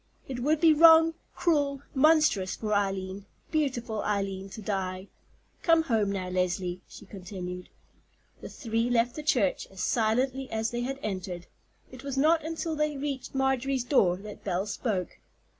It would be wrong, cruel, monstrous for Eileen, beautiful Eileen, to die. Come home now, Leslie," she continued. The three left the church as silently as they had entered. It was not until they reached Marjorie's door that Belle spoke.